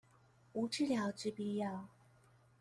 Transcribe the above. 無治療之必要